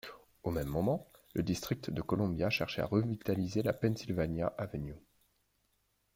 Au même moment, le district de Columbia cherchait à revitaliser la Pennsylvania Avenue.